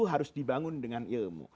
harus dibangun dengan ilmu